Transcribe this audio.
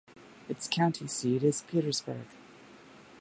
Its county seat is Petersburg.